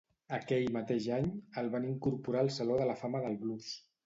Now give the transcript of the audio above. Aquell mateix any, el van incorporar al Saló de la Fama del Blues.